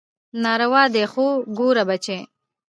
ناروا دي خو ګوره بچى.